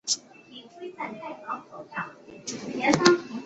绵阳市属温暖湿润的亚热带季风气候。